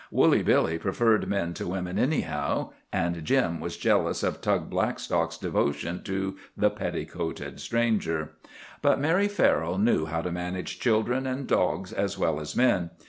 Woolly Billy preferred men to women anyhow. And Jim was jealous of Tug Blackstock's devotion to the petticoated stranger. But Mary Farrell knew how to manage children and dogs as well as men.